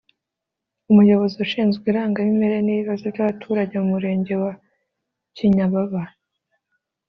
umuyobozi ushinzwe irangamimerere n’ibibazo by’abaturage mu murenge wa Kinyababa